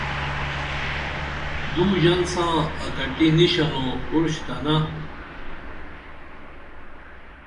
دو ژن ساں اکٹی نِشن او اُروشتنہ